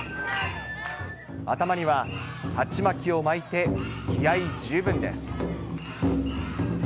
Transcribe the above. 頭には鉢巻きを巻いて気合い十分です。